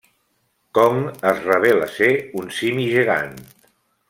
Kong es revela ser un simi gegant.